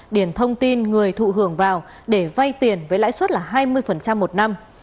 điền thông tin người thụ hưởng vào để vay tiền với lãi suất là hai mươi một năm